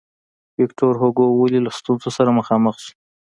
ویکتور هوګو ولې له ستونزو سره مخامخ شو.